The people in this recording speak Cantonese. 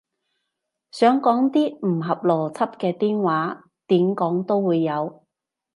想講啲唔合邏輯嘅癲話，點講都會有